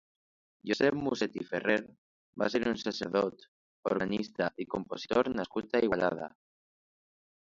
Josep Muset i Ferrer va ser un sacerdot, organista i compositor nascut a Igualada.